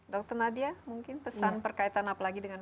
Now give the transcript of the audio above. dokter nadia mungkin pesan perkaitan apa lagi dengan